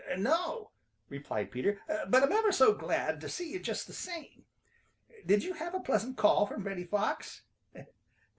"No," replied Peter, "but I'm ever so glad to see you just the same. Did you have a pleasant call from Reddy Fox?"